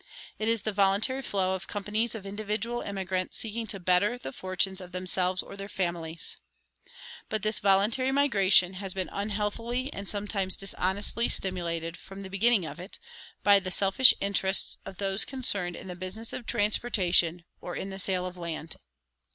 It is the voluntary flow of companies of individual emigrants seeking to better the fortunes of themselves or their families. But this voluntary migration has been unhealthily and sometimes dishonestly stimulated, from the beginning of it, by the selfish interests of those concerned in the business of transportation or in the sale of land.